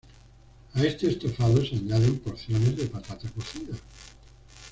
A este estofado se añaden porciones de patata cocida.